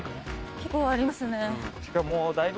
結構ありますね。